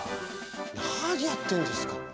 何やってんですか！